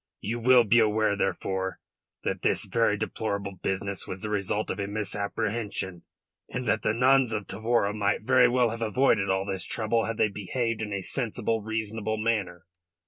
You will be aware, therefore, that this very deplorable business was the result of a misapprehension, and that the nuns of Tavora might very well have avoided all this trouble had they behaved in a sensible, reasonable manner.